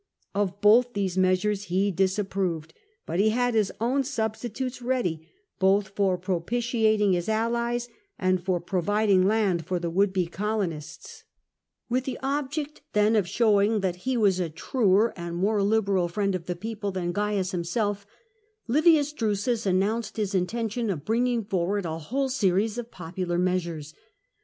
Of both these measures he disapproved, but he had his own substitutes ready, both for propitiating the allies and for providing land for the would be colonists. DBUSUS OUTBIDS GEACCHUS 73 Wifch the object; then; o£ showing that he was a truer and more liberal friend of the people than Cains himself; Livins Drtisus annotmced Ms intention of bringing for ward a whole series of popular measures.